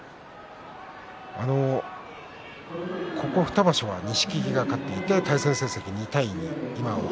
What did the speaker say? ここ２場所は錦木が勝っていて対戦成績は２対２です。